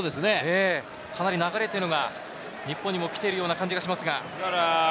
かなり流れというのが日本に来ている感じがしますね。